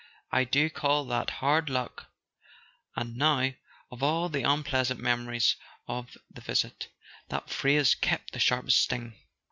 I do call that hard luck " And now, of all the unpleasant memories of the visit, that phrase kept the sharpest sting.